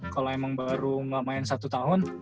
kalau emang baru ngamain satu tahun